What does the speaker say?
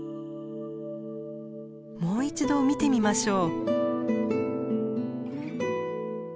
もう一度見てみましょう。